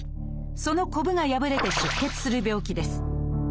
そのこぶが破れて出血する病気です。